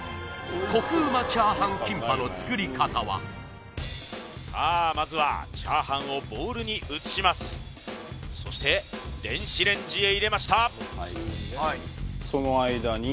こくうまチャーハンキンパの作り方はさあまずは炒飯をボウルに移しますそして電子レンジへ入れました